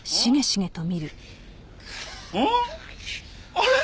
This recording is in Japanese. あれ？